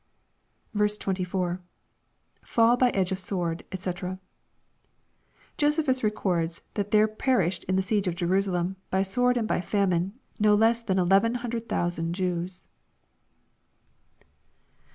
24. — [FaU hy edge ofsword^ Ac] Josephus records that there per ished in the siege of Jerusalem, by sword and by famine, no less than eleven hundred thousand Jews.